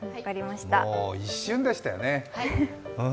もう一瞬でしたよね。